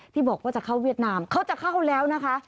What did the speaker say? ที่บอกว่าจะเข้าเวียดนามเขาจะเข้าแล้วนะคะ